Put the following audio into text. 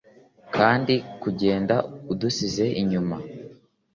kandi, kugenda, udusize inyuma